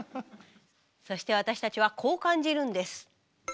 そして私たちはこう感じるんです。